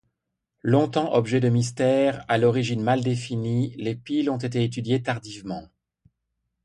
Longtemps objets de mystère, à l’origine mal définie, les piles ont été étudiées tardivement.